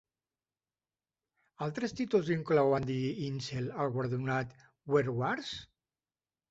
Altres títols inclouen "Die Insel", el guardonat "Wer War's?